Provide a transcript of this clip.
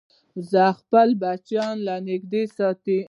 وزې خپل بچي له نږدې ساتي